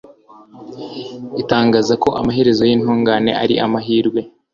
itangaza ko amaherezo y'intungane ari amahirwe